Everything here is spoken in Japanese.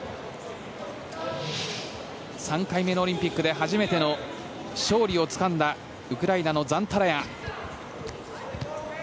３回目のオリンピックで初めての勝利をつかんだウクライナのザンタラヤ。